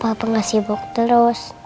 yaudah bapak gak sibuk terus